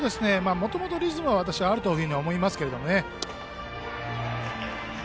もともとリズムは、あると思いますけどね。